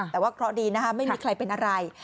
แต่ว่าเคราะห์ดีนะคะไม่มีใครเป็นอะไร